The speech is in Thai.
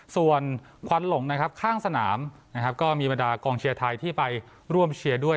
ส่วนควันหลงข้างสนามก็มีบรรดากองเชียร์ไทยที่ไปร่วมเชียร์ด้วย